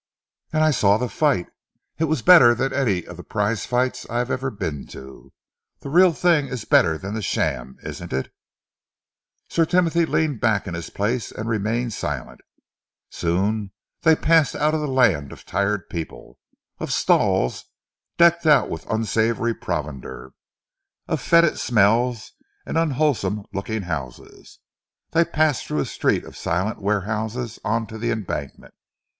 And I saw the fight. It was better than any of the prize fights I have ever been to. The real thing is better than the sham, isn't it?" Sir Timothy leaned back in his place and remained silent. Soon they passed out of the land of tired people, of stalls decked out with unsavoury provender, of foetid smells and unwholesome looking houses. They passed through a street of silent warehouses on to the Embankment.